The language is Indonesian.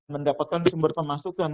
mendapatkan sumber pemasukan